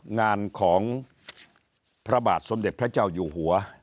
งานของพระบาทสมเด็จพระเจ้าอยู่หัว